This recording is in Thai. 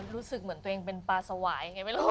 รู้สึกเหมือนตัวเองเป็นปลาสวายไงไม่รู้